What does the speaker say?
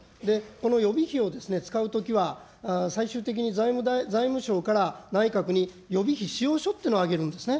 この予備費をですね、使うときは、最終的に財務省から内閣に予備費仕様書っていうのを上げるんですね。